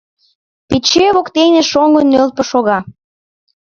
Пече воктене шоҥго нӧлпӧ шога.